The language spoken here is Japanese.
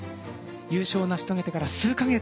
優勝を成し遂げてから数か月